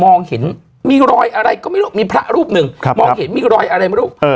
เห็นมีรอยอะไรก็ไม่รู้มีพระรูปหนึ่งครับมองเห็นมีรอยอะไรไม่รู้